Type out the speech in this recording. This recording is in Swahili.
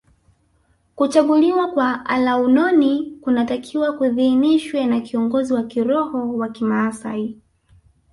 Kuchaguliwa kwa alaunoni kunatakiwa kuidhinishwe na kiongozi wa kiroho wa kimaasai